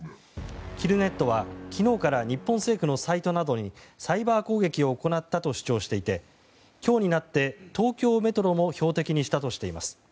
キルネットは昨日から日本政府のサイトなどにサイバー攻撃を行ったと主張していて今日になって、東京メトロも標的にしたとしています。